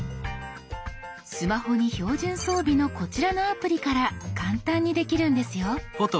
スマホに標準装備のこちらのアプリから簡単にできるんですよ。